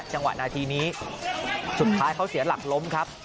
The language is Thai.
จังหวะนาทีนี้สุดท้ายเขาเสียหลักล้มครับ